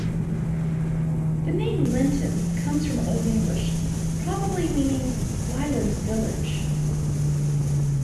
The name Linton comes from Old English, probably meaning "Lilla's village".